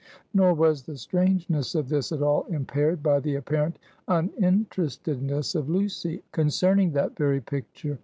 Nor was the strangeness of this at all impaired by the apparent uninterestedness of Lucy concerning that very picture.